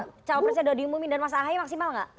kalau cawapresnya udah diumumin dan mas ahayu maksimal gak